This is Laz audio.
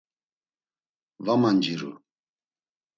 Va manciru.